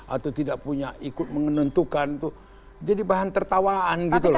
atau tidak punya ikut menentukan tuh jadi bahan tertawaan gitu loh